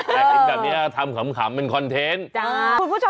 เรายังแบบนี้ทำขำเป็นคอนเทนซ์